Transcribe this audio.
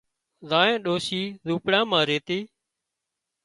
زانئينَ ڏوشِي زونپڙا مان ريتي